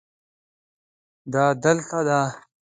دا دلته ده